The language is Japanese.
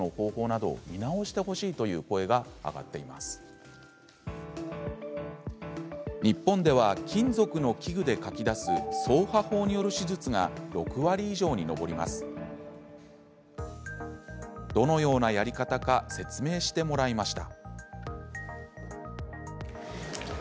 どのようなやり方か説明してもらいました。